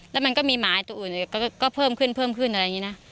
แล้วมันก็มีหมายตัวอื่นก็เพิ่มขึ้นเพิ่มขึ้นอะไรอย่างนี้นะ